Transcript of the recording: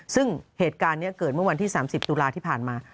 ซึ่งเหตุการณ์นี้เกิดเมื่อวันที่๓๐ตุลาที่ผ่านมา